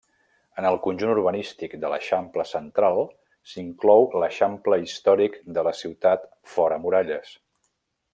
En el conjunt urbanístic de l'eixample central s'inclou l'eixample històric de la ciutat fora muralles.